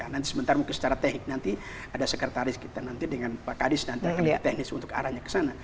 nanti sebentar mungkin secara teknik nanti ada sekretaris kita nanti dengan pak kadis nanti akan lebih teknis untuk arahnya ke sana